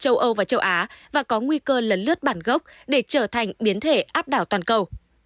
ba hai hiện đang lây lan nhanh ở châu âu và châu á và có nguy cơ lấn lướt bản gốc để trở thành biến thể áp đảo toàn cầu